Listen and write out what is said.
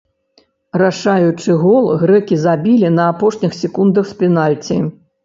Рашаючы гол грэкі забілі на апошніх секундах з пенальці.